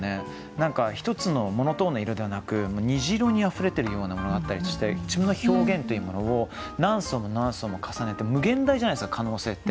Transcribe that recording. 何か一つのモノトーンの色ではなく虹色にあふれてるような物語として自分の表現というものを何層も何層も重ねて無限大じゃないですか可能性って。